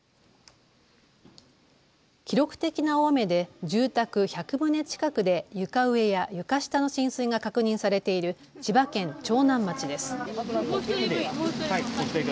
記録的な大雨で住宅１００棟近くで床上や床下の浸水が確認されている千葉県長南町です。